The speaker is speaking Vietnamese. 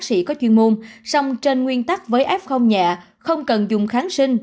sĩ có chuyên môn song trên nguyên tắc với f nhẹ không cần dùng kháng sinh